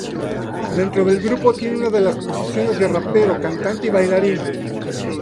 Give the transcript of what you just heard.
Dentro del grupo tiene una de las posiciones de rapero, cantante y bailarín.